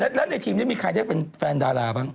แล้วคนแหละแล้วในทิมนี้มีใครที่จะเป็นแฟนดาราบ้าง